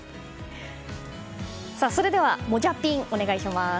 それではもじゃピンお願いします。